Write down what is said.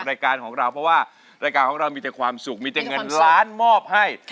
รายการของเราเพราะว่ารายการของเรามีแต่ความสุขมีแต่เงินล้านมอบให้